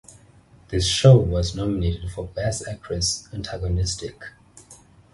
This show was nominated for Best Actress antagonistic.